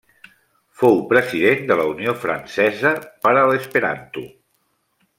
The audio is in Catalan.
Fou president de la Unió Francesa per a l'Esperanto.